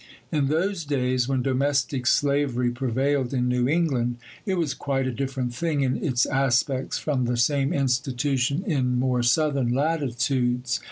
In those days, when domestic slavery prevailed in New England, it was quite a different thing in its aspects from the same institution in more southern latitudes.